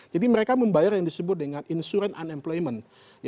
jadi mereka membayar yang disebut dengan insurance unemployment